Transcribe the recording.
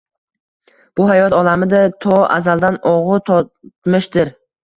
Bu hayot olamida to azaldan ogʻu totmishdir